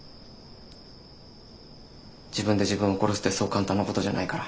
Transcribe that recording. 自分で自分を殺すってそう簡単なことじゃないから。